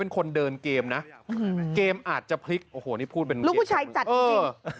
เป็นคนเดินเกมนะเกมอาจจะพลิกโอ้โหนี่พูดเป็นลูกผู้ชายจัดจริง